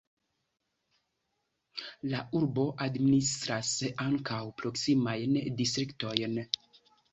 La urbo administras ankaŭ proksimajn distriktojn.